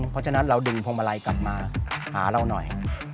เพราะฉะนั้นเราดึงพวงมาลัยกลับมาหาเราหน่อย